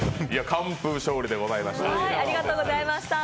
完封勝利でございました。